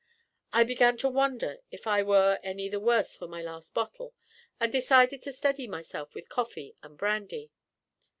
I began to wonder if I were any the worse for my last bottle, and decided to steady myself with coffee and brandy.